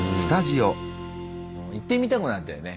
行ってみたくなったよね。